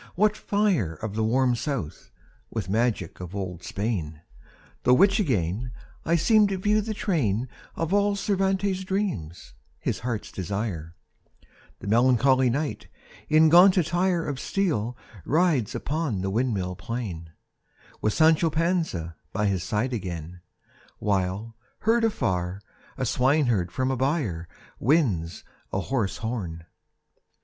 what fire Of the "warm South" with magic of old Spain! Through which again I seem to view the train Of all Cervantes' dreams, his heart's desire: The melancholy Knight, in gaunt attire Of steel rides by upon the windmill plain With Sancho Panza by his side again, While, heard afar, a swineherd from a byre Winds a hoarse horn.